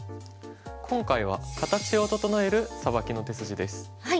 今回は形を整えるサバキの手筋です。